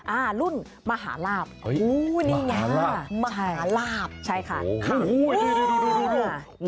อ่ารุ่นมหาลาบอู้นี่ไงมหาลาบใช่ค่ะโอ้โหโหดู